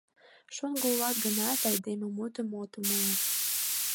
Шоҥго улат гынат, айдеме мутым от умыло.